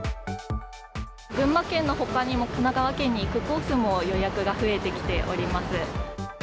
群馬県のほかにも、神奈川県に行くコースも予約が増えてきております。